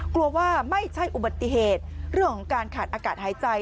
กลัวว่าไม่ใช่อุบัติเหตุเรื่องของการขาดอากาศหายใจ